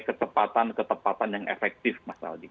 kecepatan ketepatan yang efektif mas aldi